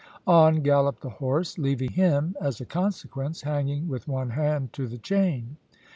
On galloped the horse, leaving him, as a consequence, hanging with one hand to the chain.